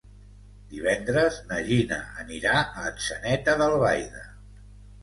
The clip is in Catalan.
Divendres na Gina anirà a Atzeneta d'Albaida.